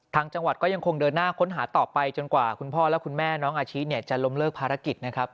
จังหวัดก็ยังคงเดินหน้าค้นหาต่อไปจนกว่าคุณพ่อและคุณแม่น้องอาชิจะล้มเลิกภารกิจนะครับ